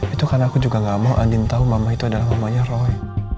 itu karena aku juga gak mau andin tahu mama itu adalah mamanya roy